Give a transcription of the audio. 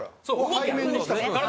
背面にしたら。